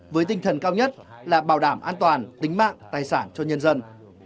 với tinh thần cao nhất là bảo đảm an toàn tính mạng tài sản cho nhân dân